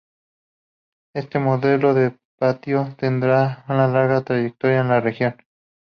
Este modelo de patio tendrá larga trayectoria en la región.